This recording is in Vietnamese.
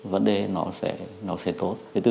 vấn đề nó sẽ tốt